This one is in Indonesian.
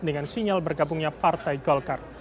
dengan sinyal bergabungnya partai golkar